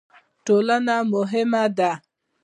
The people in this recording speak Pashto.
ټولنه مهمه ده.